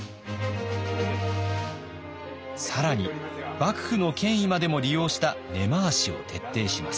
更に幕府の権威までも利用した根回しを徹底します。